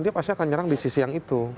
dia pasti akan nyerang di sisi yang itu